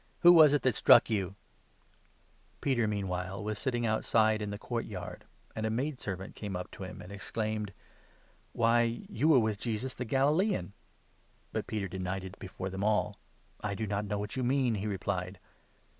Who was it that struck you ?". peter disowns Peter, meanwhile, was sitting outside in the 69 jesus. court yard ; and a maidservant came up to him, and exclaimed :" Why, 5'ou were with Jesus the Galilean !" But Peter denied it before them all. 70 " I do not know what you mean," he replied.